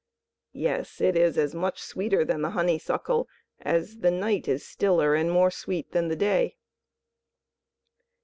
"Yes, it is as much sweeter than the honeysuckle as the night is stiller and more sweet than the day."